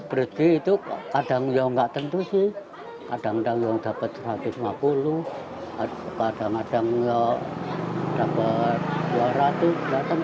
berhenti itu kadang nggak tentu sih kadang kadang dapat satu ratus lima puluh pada madangnya dapat dua ratus datang tubuh